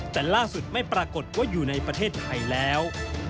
แต่ล่าสุดไม่ปรากฏว่าอยู่ในประเทศไทยแล้ว